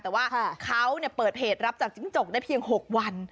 แต่ว่าเขาเปิดเพจรับจากจิ้งจกได้เพียง๖วัน